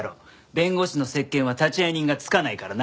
弁護士の接見は立会人がつかないからな。